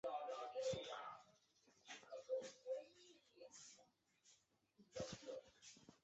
因功给予节度使世选名额。